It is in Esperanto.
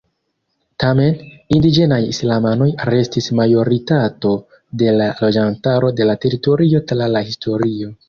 Tamen, indiĝenaj islamanoj restis majoritato de la loĝantaro de la teritorio tra la historio.